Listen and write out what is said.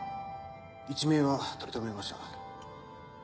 一命は取り留めました。